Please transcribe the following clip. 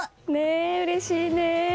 うれしいね。